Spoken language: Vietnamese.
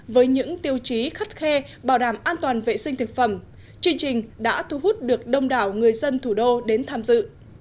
với những tiêu chí khắt khe bảo đảm an toàn vệ sinh thực phẩm chương trình đã thu hút được đông đảo người dân thủ đô đến tham dự